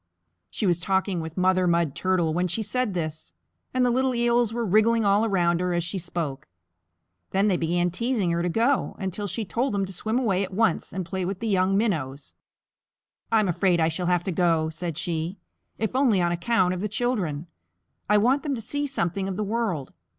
She was talking with Mother Mud Turtle when she said this, and the little Eels were wriggling all around her as she spoke. Then they began teasing her to go, until she told them to swim away at once and play with the young Minnows. "I'm afraid I shall have to go," said she, "if only on account of the children. I want them to see something of the world.